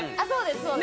そうです